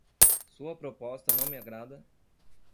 Sua proposta não me agrada